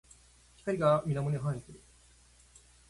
光が水面に反射する。